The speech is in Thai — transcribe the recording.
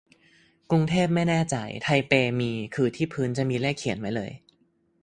กรุงเทพไม่แน่ใจ ไทเปมี คือที่พื้นจะมีเลขเขียนไว้เลย